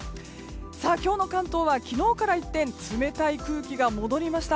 今日の関東は昨日から一転冷たい空気が戻りました。